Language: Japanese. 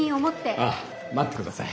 あっ待ってください。